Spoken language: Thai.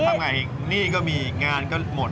แล้วทำอย่างไรอีกนี่ก็มีงานก็หมด